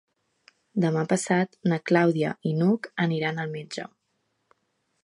Demà passat na Clàudia i n'Hug aniran al metge.